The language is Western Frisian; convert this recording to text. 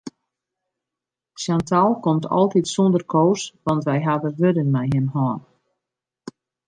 Chantal komt altyd sûnder Koos want wy hawwe wurden mei him hân.